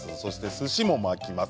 すしも巻きます。